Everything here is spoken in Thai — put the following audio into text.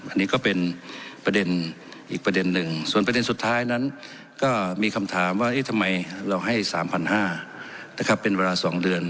อันนี้ก็เป็นประเด็นอีกประเด็นหนึ่งส่วนประเด็นสุดท้ายนั้นก็มีคำถามว่าทำไมเราให้๓๕๐๐นะครับเป็นเวลา๒เดือน